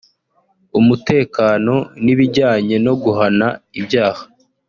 umutekano n’ibijyanye no guhana ibyaha